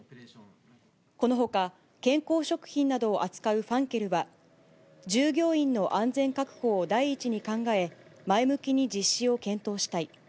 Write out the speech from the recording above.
このほか、健康食品などを扱うファンケルは、従業員の安全確保を第一に考え、前向きに実施を検討したい。